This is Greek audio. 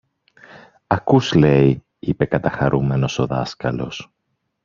Ακούς λέει! είπε καταχαρούμενος ο δάσκαλος.